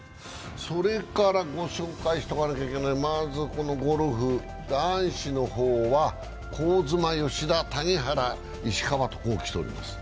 それからご紹介しておかなければならないのはまず、ゴルフ男子の方は香妻、吉田、谷原、石田と、こうきてます。